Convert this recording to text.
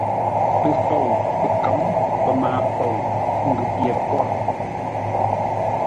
Pəfou, pəkə̌m, pəmaafou, ə́ ngʉ̌ pye pwôr.